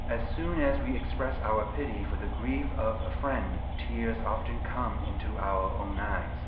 As soon as we express our pity for the grief of a friend, tears often come into our own eyes.